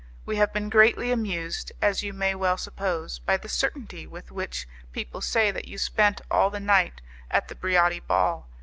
We have been greatly amused, as you may well suppose, by the certainty with which people say that you spent all the night at the Briati ball.